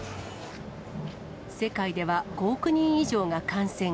世界では５億人以上が感染。